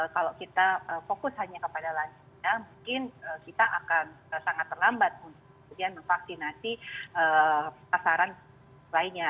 kalau kita fokus hanya kepada lansia mungkin kita akan sangat terlambat kemudian memvaksinasi tasaran lainnya